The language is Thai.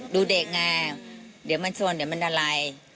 ดูเด็กไงเดี๋ยวมันชวนเดี๋ยวมันอะไร